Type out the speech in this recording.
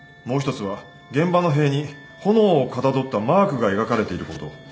もう一つは現場の塀に炎をかたどったマークが描かれていること。